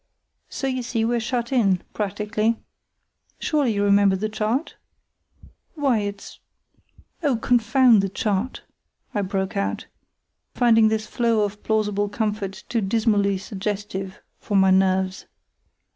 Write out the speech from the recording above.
So you see we're shut in—practically. Surely you remember the chart? Why, it's——" "Oh, confound the chart!" I broke out, finding this flow of plausible comfort too dismally suggestive for my nerves.